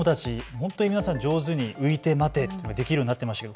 本当に皆さん上手にういてまてできるようになっていましたね。